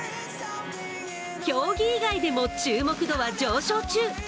競技以外でも注目度は上昇中。